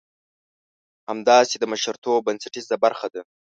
همداسې د مشرتوب بنسټيزه برخه ده.